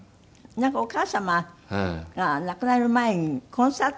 なんかお母様が亡くなる前にコンサート